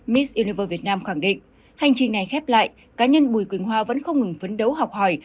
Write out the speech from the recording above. miss univer việt nam khẳng định hành trình này khép lại cá nhân bùi quỳnh hoa vẫn không ngừng phấn đấu học hỏi